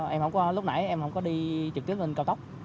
em không có lúc nãy em không có đi trực tiếp lên cao tốc